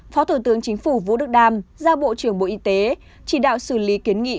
phó thủ tướng chính phủ vũ đức đam ra bộ trưởng bộ y tế chỉ đạo xử lý kiến nghị